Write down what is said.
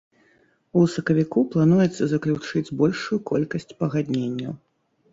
У сакавіку плануецца заключыць большую колькасць пагадненняў.